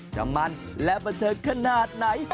จะมันและบันเทิงขนาดไหน